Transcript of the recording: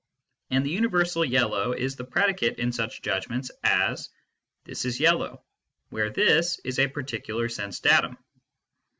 And the universal yellow is the predicate in such judgments as " this is yellow," where " this " is a particular sense datum.